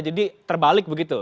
jadi terbalik begitu